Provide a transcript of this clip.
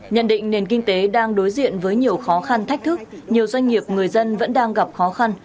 nhận định nền kinh tế đang đối diện với nhiều khó khăn thách thức nhiều doanh nghiệp người dân vẫn đang gặp khó khăn